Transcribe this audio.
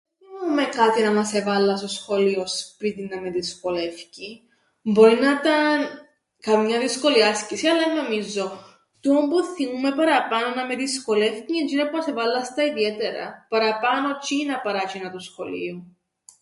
Εν θθυμούμαι κάτι να μας εβάλλαν στο σχολείον σπίτιν να με δυσκολεύκει, μπορεί να 'ταν καμιά δύσκολη άσκηση, αλλά εν νομίζω. Τούτον που θθυμο΄υμαι παραπάνω να με δυσκολεύκει εν' τζ̆είνα που μας εβάλλαν στα ιδιαίτερα. Παραπάνω τζ̆είνα παρά τζ̆είνα του σχολείου.